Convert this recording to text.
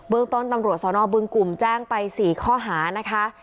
เมืองต้นตำรวจสนบึงกลุ่มแจ้งไป๔ข้อหานะคะ